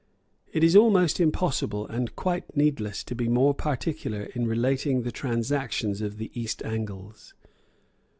It is almost impossible, and quite needless, to be more particular in relating the transactions of the East Angles.